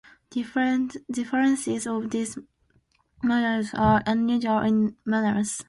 Differences of this magnitude are unusual in mammals.